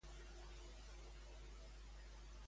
Per què va ser important Alsina?